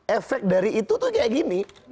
efek dari itu tuh kayak gini